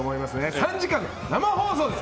３時間生放送です。